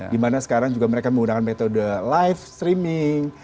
dimana sekarang juga mereka menggunakan metode live streaming